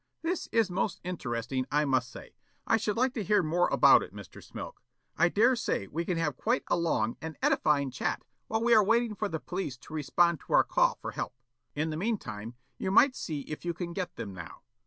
"This is most interesting, I must say. I should like to hear more about it, Mr. Smilk. I dare say we can have quite a long and edifying chat while we are waiting for the police to respond to our call for help. In the meantime, you might see if you can get them now.